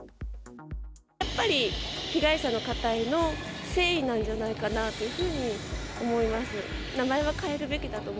やっぱり被害者の方への誠意なんじゃないかなというふうに思います。